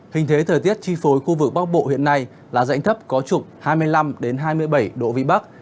hình thế thời tiết chi phối khu vực bắc bộ hiện nay là rãnh thấp có trục hai mươi năm hai mươi bảy độ vị bắc